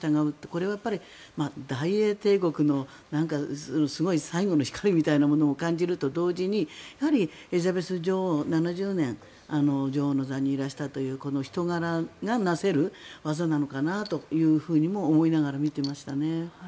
これは大英帝国のすごい最後の光みたいなものを感じると同時にやはり、エリザベス女王７０年女王の座にいらしたという人柄がなせる業なのかなと思いながら見ていましたね。